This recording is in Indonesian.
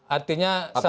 artinya sampai dengan